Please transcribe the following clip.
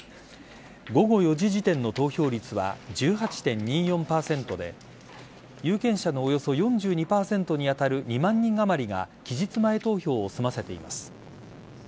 午後４時時点の投票率は１８．２４％で有権者のおよそ４２％に当たる２万人あまりが期日前投票を済ませています。